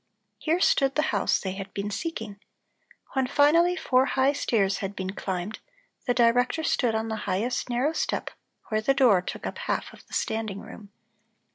Here stood the house they had been seeking. When finally four high stairs had been climbed, the Director stood on the highest narrow step where the door took up half of the standing room.